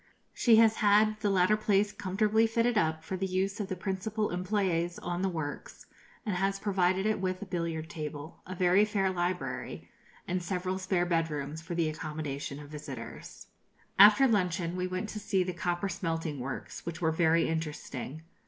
She has had the latter place comfortably fitted up for the use of the principal employés on the works, and has provided it with a billiard table, a very fair library, and several spare bed rooms for the accommodation of visitors. After luncheon we went to see the copper smelting works, which were very interesting.